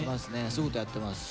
そういうことやってます。